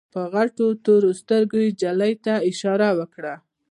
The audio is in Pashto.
په غټو تورو سترګو يې نجلۍ ته اشاره وکړه.